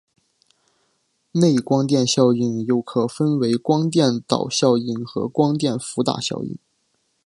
内光电效应又可分为光电导效应和光生伏打效应。